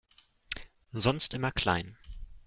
Sonst immer klein!